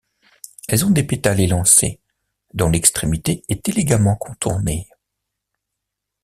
Elles ont des pétales élancés, dont l’extrémité est élégamment contournée.